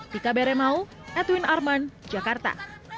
tika beremau edwin arman jakarta